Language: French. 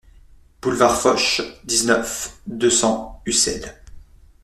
Boulevard Foch, dix-neuf, deux cents Ussel